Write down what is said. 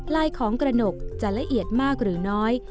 ลายของกระหนกจะละเอียดมากหรือน้อย